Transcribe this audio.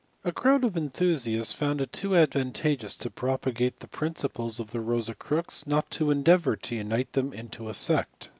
A crowd of enthusiasts found it too advantageous to propagate the principles of the rosa crux not to endeavour to unite them into a sect.